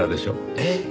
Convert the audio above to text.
えっ。